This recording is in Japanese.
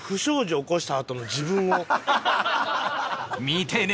見てね！